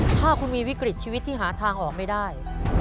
ถ้าคุณมีวิกฤตชีวิตที่หาทางออกไม่ได้